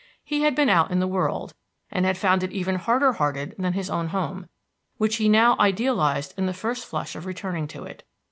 He had been out in the world, and had found it even harder hearted than his own home, which now he idealized in the first flush of returning to it.